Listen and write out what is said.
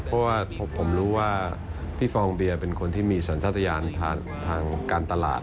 เพราะว่าผมรู้ว่าพี่ฟองเบียร์เป็นคนที่มีสัญชาติยานทางการตลาด